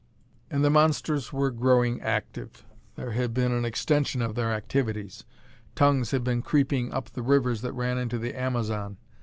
And the monsters were growing active. There had been an extension of their activities. Tongues had been creeping up the rivers that ran into the Amazon.